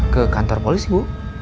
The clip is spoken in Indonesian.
ke kantor polisi bu